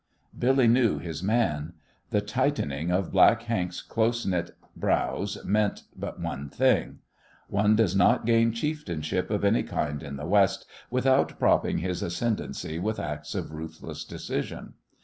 Billy knew his man. The tightening of Black Hank's close knit brows meant but one thing. One does not gain chieftainship of any kind in the West without propping his ascendency with acts of ruthless decision.